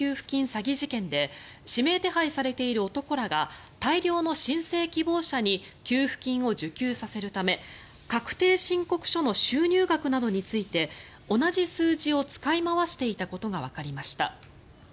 詐欺事件で指名手配されている男らが大量の申請希望者に給付金を受給させるため確定申告書の収入額などについて同じ数字を使い回していたことがわかりました。